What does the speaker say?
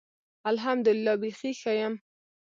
الحمدالله. بیخي ښۀ یم.